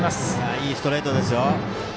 いいストレートですよ。